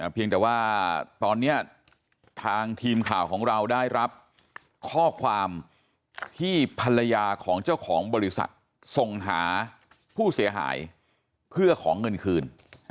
เพียงแต่ว่าตอนนี้ทางทีมข่าวของเราได้รับข้อความที่ภรรยาของเจ้าของบริษัทส่งหาผู้เสียหายเพื่อขอเงินคืน